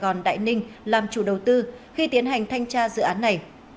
công ty cổ phần đại ninh làm chủ đầu tư khi tiến hành thanh tra dự án này